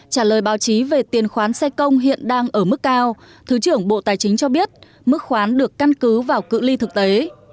trả lời báo chí về tiền khoán xe công hiện đang ở mức cao thứ trưởng bộ tài chính cho biết mức khoán được căn cứ vào cự ly thực tế